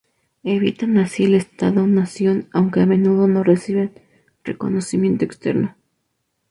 Evitan así el Estado-nación aunque a menudo no reciben reconocimiento externo.